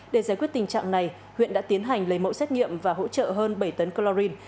để giải quyết tình trạng này huyện đã tiến hành lấy mẫu xét nghiệm và hỗ trợ hơn bảy tấn chlorine